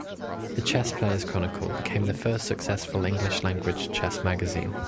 The "Chess Player's Chronicle" became the first successful English-language chess magazine.